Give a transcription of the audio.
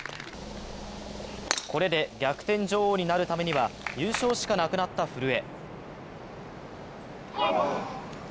これで逆転女王になるためには優勝しかなくなった古江。